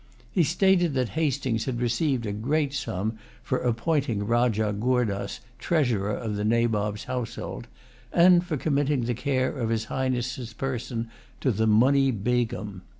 He stated that Hastings had received a great sum for appointing Rajah Goordas treasurer of the Nabob's household, and for committing the care of his Highness's person to the Munny Begum.